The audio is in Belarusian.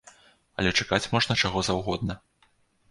Але чакаць можна чаго заўгодна.